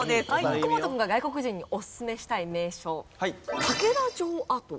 福本君が外国人におすすめしたい名所竹田城跡。